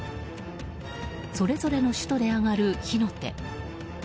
それぞれの首都で上がる火の手。